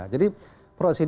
jadi proses ini berbeda